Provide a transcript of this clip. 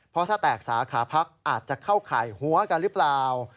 เพราะถ้าแตกสาขาพักอาจจะเข้าข่ายหัวกันหรือเปล่า